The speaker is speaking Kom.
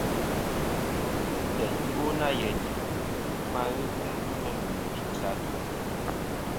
Yì teyn iwo nâ yenì , ghɨ bɨ meyn gumnɨ chwosɨ atu.